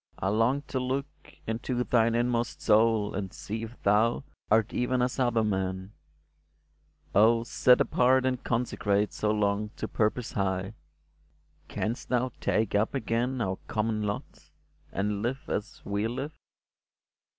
I long to look Into thine inmost soul, and see if thou Art even as other men ! Oh, set apart And consecrate so long to purpose high, Canst thou take up again our common lot, And live as we live